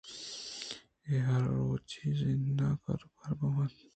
اے ہر روچی زند ءِ کاروبار ءَ بنت